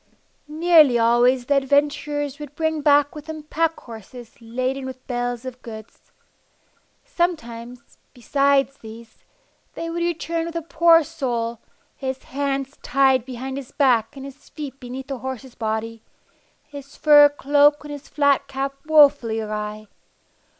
Nearly always the adventurers would bring back with them pack horses laden with bales of goods. Sometimes, besides these, they would return with a poor soul, his hands tied behind his back and his feet beneath the horse's body, his fur cloak and his flat cap wofully awry.